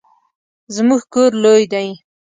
زمونږ کور لوی دی